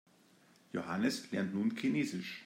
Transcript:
Johannes lernt nun Chinesisch.